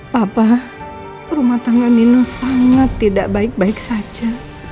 papa rumah tangga nino sangat tidak baik baik saja